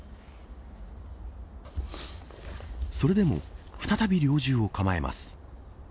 それでも再び猟銃を構えます。